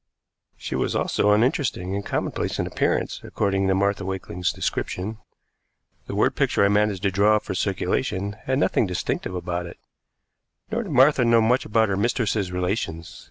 She was also uninteresting and commonplace in appearance, according to Martha Wakeling's description. The word picture I managed to draw up for circulation had nothing distinctive about it. Nor did Martha know much of her mistress's relations.